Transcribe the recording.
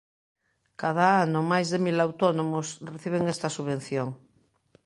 Cada ano, máis de mil autónomos reciben esta subvención.